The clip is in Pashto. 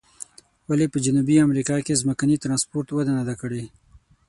ولې په جنوبي امریکا کې ځمکني ترانسپورت وده نه ده کړې؟